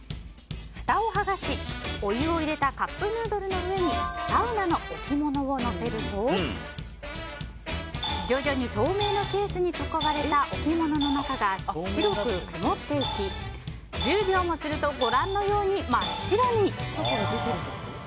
ふたを剥がし、お湯を入れたカップヌードルの上にサウナの置物を乗せると徐々に透明のケースに囲われた置物の中が白く曇っていき、１０秒もするとご覧のように真っ白に。